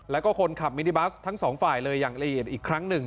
แล้วก็คนขับมินิบัสทั้งสองฝ่ายเลยอย่างละเอียดอีกครั้งหนึ่ง